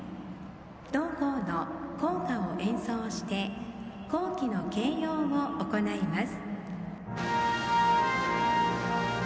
同校の校歌を演奏して校旗の掲揚を行います。